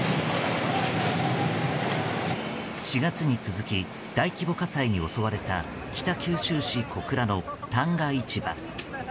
４月に続き大規模火災に襲われた北九州市小倉の旦過市場。